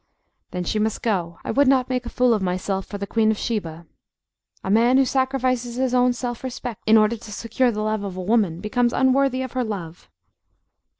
"Then she must go. I would not make a fool of myself for the Queen of Sheba. A man who sacrifices his own self respect in order to secure the love of a woman becomes unworthy of her love."